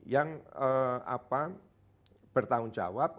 yang apa bertanggung jawab